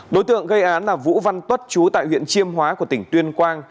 đối tượng gây án là vũ văn tuất chú tại huyện chiêm hóa của tỉnh tuyên quang